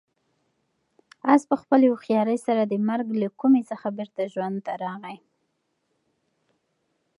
آس په خپلې هوښیارۍ سره د مرګ له کومې څخه بېرته ژوند ته راغی.